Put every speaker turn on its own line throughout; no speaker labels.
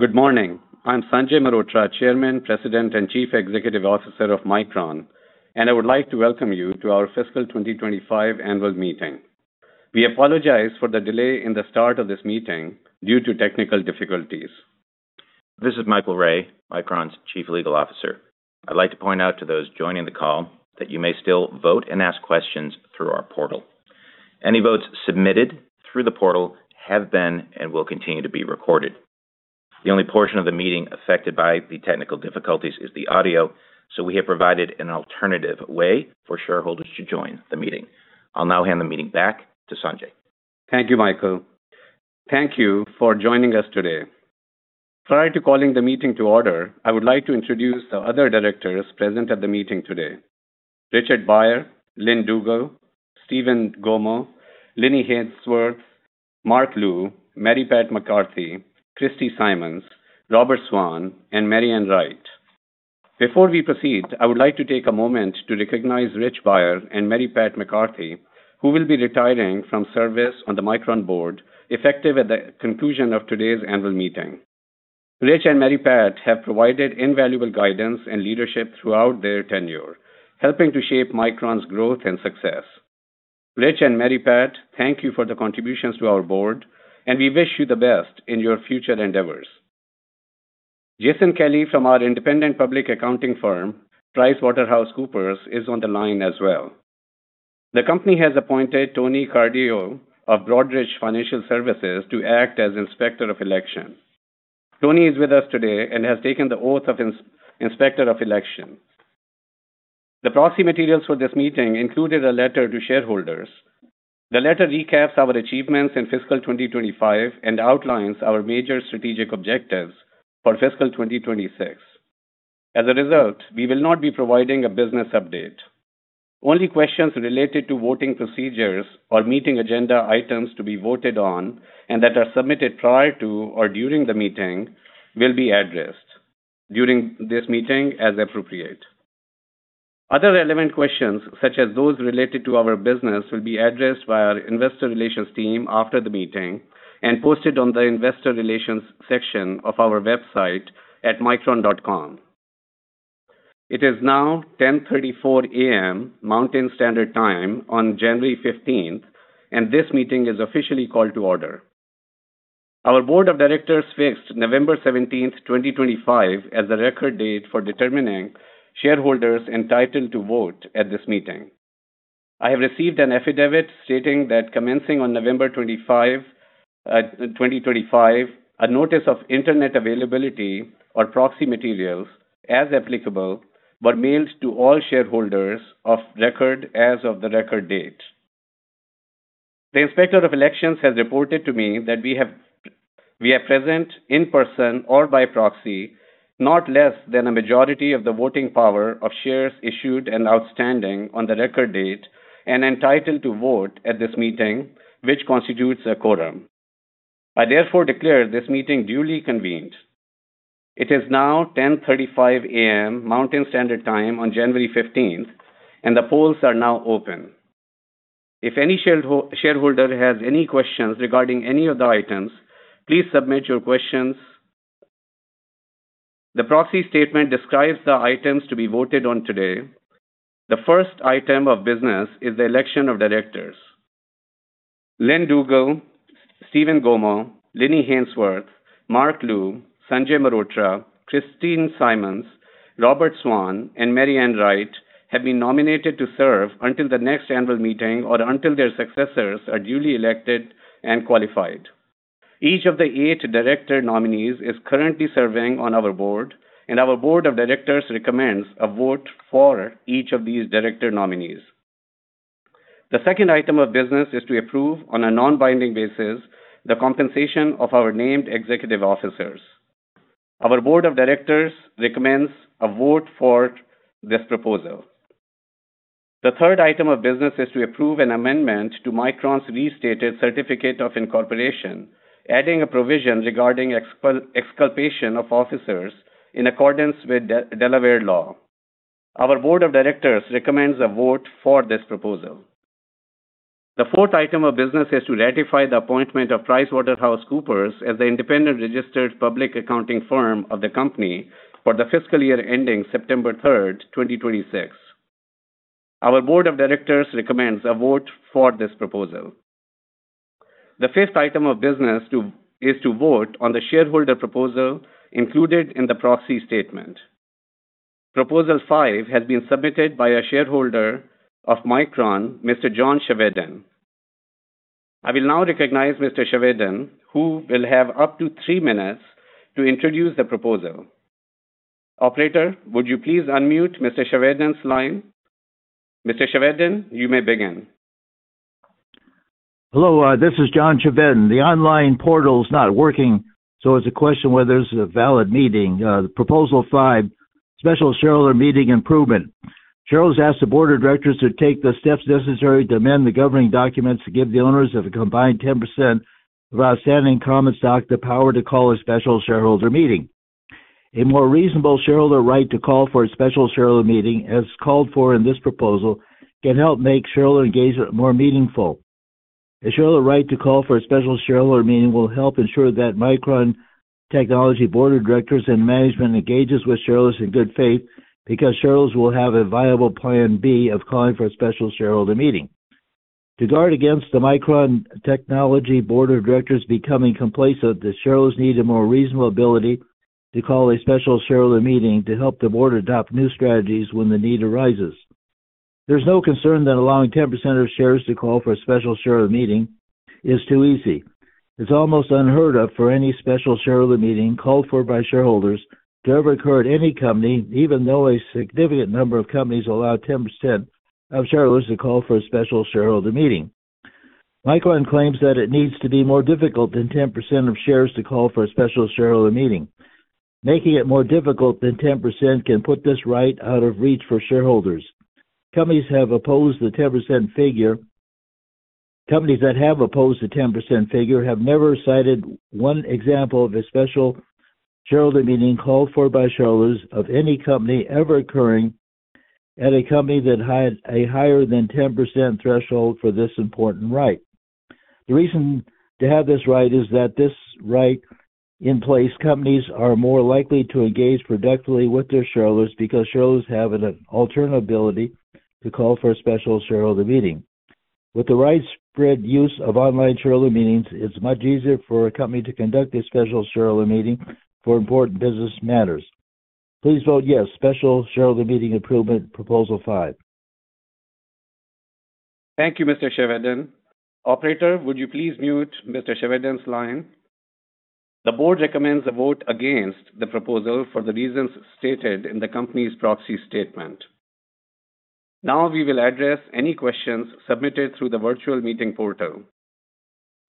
Good morning. I'm Sanjay Mehrotra, Chairman, President, and Chief Executive Officer of Micron, and I would like to welcome you to our Fiscal 2025 Annual Meeting. We apologize for the delay in the start of this meeting due to technical difficulties.
This is Michael Ray, Micron's Chief Legal Officer. I'd like to point out to those joining the call that you may still vote and ask questions through our portal. Any votes submitted through the portal have been and will continue to be recorded. The only portion of the meeting affected by the technical difficulties is the audio, so we have provided an alternative way for shareholders to join the meeting. I'll now hand the meeting back to Sanjay.
Thank you, Michael. Thank you for joining us today. Prior to calling the meeting to order, I would like to introduce the other directors present at the meeting today. Richard Beyer, Lynn Dugle, Steven Gomo, Linnie Haynesworth, Mark Liu, Mary Pat McCarthy, Christine Simons, Robert Swan, and Mary Ann Wright. Before we proceed, I would like to take a moment to recognize Rich Beyer and Mary Pat McCarthy, who will be retiring from service on the Micron board, effective at the conclusion of today's annual meeting. Rich and Mary Pat have provided invaluable guidance and leadership throughout their tenure, helping to shape Micron's growth and success. Rich and Mary Pat, thank you for the contributions to our board, and we wish you the best in your future endeavors. Jason Kelley from our independent public accounting firm, PricewaterhouseCoopers, is on the line as well. The company has appointed Tony Cardillo of Broadridge Financial Services to act as Inspector of Election. Tony is with us today and has taken the oath of Inspector of Election. The proxy materials for this meeting included a letter to shareholders. The letter recaps our achievements in fiscal 2025 and outlines our major strategic objectives for fiscal 2026. As a result, we will not be providing a business update. Only questions related to voting procedures or meeting agenda items to be voted on and that are submitted prior to or during the meeting will be addressed during this meeting as appropriate. Other relevant questions, such as those related to our business, will be addressed by our investor relations team after the meeting and posted on the investor relations section of our website at micron.com. It is now 10:34 A.M., Mountain Standard Time on January 15, and this meeting is officially called to order. Our board of directors fixed November 17, 2025, as the record date for determining shareholders entitled to vote at this meeting. I have received an affidavit stating that commencing on November 25, 2025, a Notice of Internet Availability or proxy materials, as applicable, were mailed to all shareholders of record as of the record date. The Inspector of Elections has reported to me that we are present in person or by proxy, not less than a majority of the voting power of shares issued and outstanding on the record date and entitled to vote at this meeting, which constitutes a quorum. I therefore declare this meeting duly convened. It is now 10:35 A.M., Mountain Standard Time on January 15, and the polls are now open. If any shareholder has any questions regarding any of the items, please submit your questions. The proxy statement describes the items to be voted on today. The first item of business is the election of directors. Lynn Dugle, Steven Gomo, Linnie Haynesworth, Mark Liu, Sanjay Mehrotra, Christine Simons, Robert Swan, and Mary Ann Wright have been nominated to serve until the next annual meeting or until their successors are duly elected and qualified. Each of the eight director nominees is currently serving on our board, and our board of directors recommends a vote for each of these director nominees. The second item of business is to approve, on a non-binding basis, the compensation of our named executive officers. Our board of directors recommends a vote for this proposal. The third item of business is to approve an amendment to Micron's Restated Certificate of Incorporation, adding a provision regarding exculpation of officers in accordance with Delaware law. Our board of directors recommends a vote for this proposal. The fourth item of business is to ratify the appointment of PricewaterhouseCoopers as the independent registered public accounting firm of the company for the fiscal year ending September 3rd, 2026. Our board of directors recommends a vote for this proposal. The fifth item of business is to vote on the shareholder proposal included in the proxy statement. Proposal five has been submitted by a shareholder of Micron, Mr. John Chevedden. I will now recognize Mr. Chevedden, who will have up to three minutes to introduce the proposal. Operator, would you please unmute Mr. Chevedden's line? Mr. Chevedden, you may begin.
Hello, this is John Chevedden. The online portal is not working, so it's a question whether this is a valid meeting. The Proposal Five, Special Shareholder Meeting Improvement. Shareholders ask the board of directors to take the steps necessary to amend the governing documents to give the owners of a combined 10% of outstanding common stock the power to call a special shareholder meeting.... A more reasonable shareholder right to call for a special shareholder meeting, as called for in this proposal, can help make shareholder engagement more meaningful. A shareholder right to call for a special shareholder meeting will help ensure that Micron Technology board of directors and management engages with shareholders in good faith, because shareholders will have a viable Plan B of calling for a special shareholder meeting. To guard against the Micron Technology board of directors becoming complacent, the shareholders need a more reasonable ability to call a special shareholder meeting to help the board adopt new strategies when the need arises. There's no concern that allowing 10% of shares to call for a special shareholder meeting is too easy. It's almost unheard of for any special shareholder meeting called for by shareholders to ever occur at any company, even though a significant number of companies allow 10% of shareholders to call for a special shareholder meeting. Micron claims that it needs to be more difficult than 10% of shares to call for a special shareholder meeting. Making it more difficult than 10% can put this right out of reach for shareholders. Companies have opposed the 10% figure. Companies that have opposed the 10% figure have never cited one example of a special shareholder meeting called for by shareholders of any company ever occurring at a company that had a higher than 10% threshold for this important right. The reason to have this right is that this right in place, companies are more likely to engage productively with their shareholders, because shareholders have an alternate ability to call for a special shareholder meeting. With the widespread use of online shareholder meetings, it's much easier for a company to conduct a special shareholder meeting for important business matters. Please vote yes, Special Shareholder Meeting Improvement, Proposal Five.
Thank you, Mr. Chevedden. Operator, would you please mute Mr. Chevedden's line? The board recommends a vote against the proposal for the reasons stated in the company's proxy statement. Now, we will address any questions submitted through the virtual meeting portal.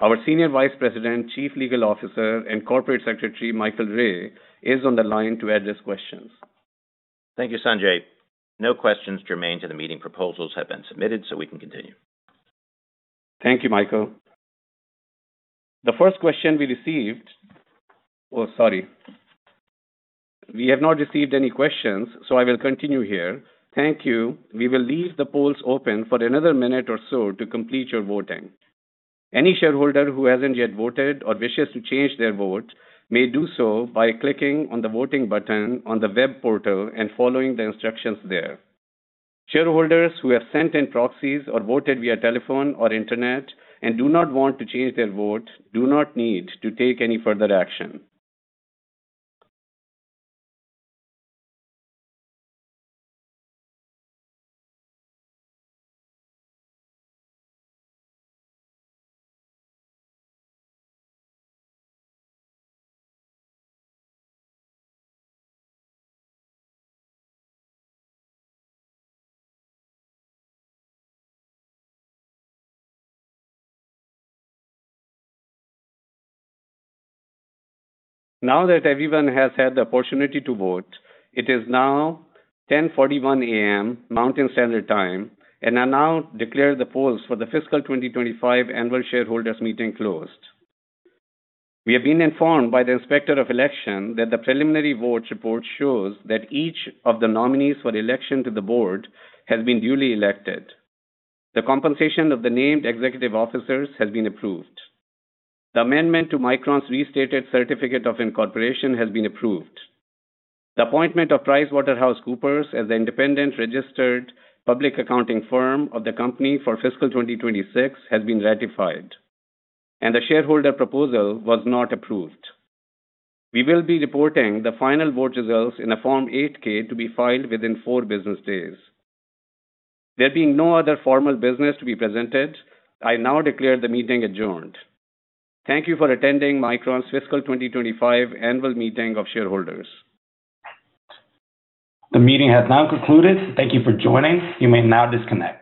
Our Senior Vice President, Chief Legal Officer, and Corporate Secretary, Michael Ray, is on the line to address questions.
Thank you, Sanjay. No questions germane to the meeting proposals have been submitted, so we can continue.
Thank you, Michael. The first question we received... Oh, sorry. We have not received any questions, so I will continue here. Thank you. We will leave the polls open for another minute or so to complete your voting. Any shareholder who hasn't yet voted or wishes to change their vote may do so by clicking on the voting button on the web portal and following the instructions there. Shareholders who have sent in proxies or voted via telephone or internet and do not want to change their vote, do not need to take any further action. Now that everyone has had the opportunity to vote, it is now 10:41 A.M., Mountain Standard Time, and I now declare the polls for the fiscal 2025 annual shareholders meeting closed. We have been informed by the Inspector of Election that the preliminary vote report shows that each of the nominees for election to the board has been duly elected. The compensation of the named executive officers has been approved. The amendment to Micron's Restated Certificate of Incorporation has been approved. The appointment of PricewaterhouseCoopers as the independent registered public accounting firm of the company for fiscal 2026 has been ratified, and the shareholder proposal was not approved. We will be reporting the final vote results in a Form 8-K to be filed within four business days. There being no other formal business to be presented, I now declare the meeting adjourned. Thank you for attending Micron's fiscal 2025 annual meeting of shareholders. The meeting has now concluded. Thank you for joining. You may now disconnect.